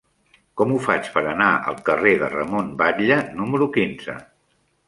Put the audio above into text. Com ho faig per anar al carrer de Ramon Batlle número quinze?